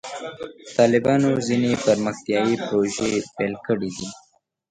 طالبانو ځینې پرمختیایي پروژې پیل کړې دي.